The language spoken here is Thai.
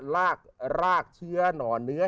รากรากเชื้อหน่อเนื้อ